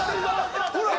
ほら！